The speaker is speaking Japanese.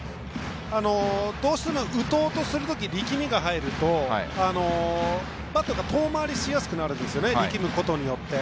どうしても打とうとするときに力みが入るとバットが遠回りしやすくなるんですよね力むことによって。